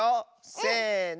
せの！